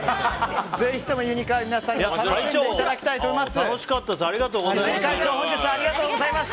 ぜひともユニカール楽しんでいただきたいと思います。